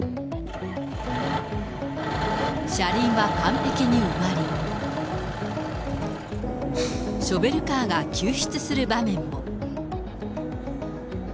車輪は完璧に埋まり、ショベルカーが救出する場面も。